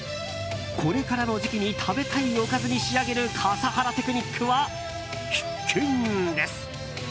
これからの時期に食べたいおかずに仕上げる笠原テクニックは必見です。